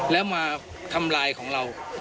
แล้วมาทำลายของเรา